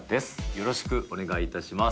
よろしくお願いします。